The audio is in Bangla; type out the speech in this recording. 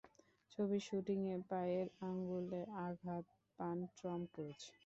ছবির শুটিংয়ে পায়ের আঙুলে আঘাত পান টম ক্রুজ।